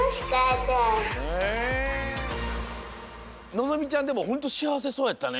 のぞみちゃんでもほんとしあわせそうやったね。